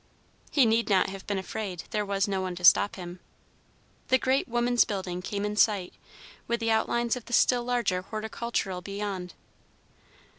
He need not have been afraid; there was no one to stop him. The great Woman's Building came in sight, with the outlines of the still larger Horticultural beyond.